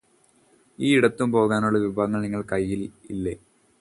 ഈ ഇടത്തും പോകാനുള്ള വിഭവങ്ങള് നിങ്ങളുടെ കയ്യില് ഇല്ലേ